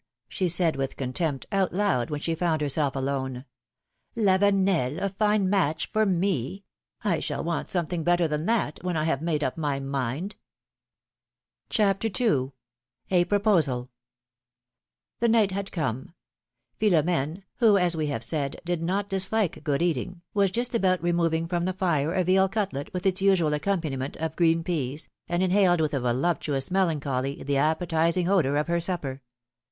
said she with contempt, out loud, when she found herself alone ; Lavenel ! a fine match for me ! I shall want something better than that, when I have made up my mind.^^ PHILOMi:NE's MARKIAGES. 27 CHAPTEE IL A PROPOSAL. IHE night had come. Philom^ne, who, as we have J said, did not dislike good eating, was just about removing from the fire a veal cutlet with its usual accom paniment of green peas, and inhaled with a voluptuous melancholy the appetizing odor of her supper.